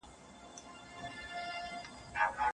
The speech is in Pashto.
کله دومره بختور یم!